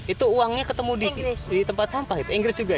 itu uangnya ketemu di tempat sampah inggris juga ya